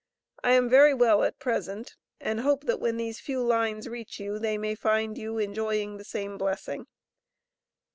I am very well at present, and hope that when these few lines reach you they may find you enjoying the same blessing.